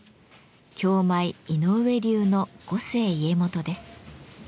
京舞井上流の五世家元です。